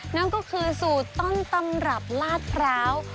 นั่นก็คือสูตรต้นตำรับลาดพร้าว